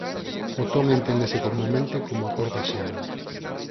O ton enténdese comunmente como a "cor" da xema.